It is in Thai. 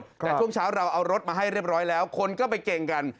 แต่ช่วงเช้าเราเอารถมาให้เรียบร้อยแล้วคนก็ไปเก่งกัน